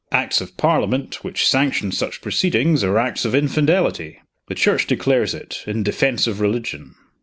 Acts of Parliament which sanction such proceedings are acts of infidelity. The Church declares it, in defense of religion."